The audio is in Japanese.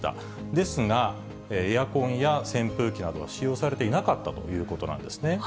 ですが、エアコンや扇風機などは使用されていなかったということなんですね。